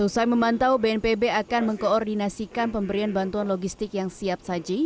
usai memantau bnpb akan mengkoordinasikan pemberian bantuan logistik yang siap saji